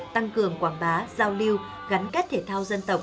tăng cường quảng bá giao lưu gắn kết thể thao dân tộc